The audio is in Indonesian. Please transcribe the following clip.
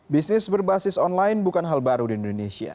bisnis berbasis online bukan hal baru di indonesia